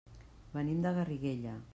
Venim de Garriguella.